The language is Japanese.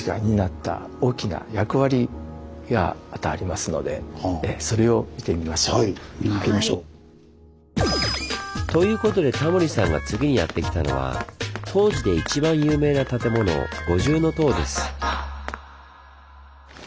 またありますのでそれを見てみましょう。ということでタモリさんが次にやって来たのは東寺で一番有名な建物五重塔です。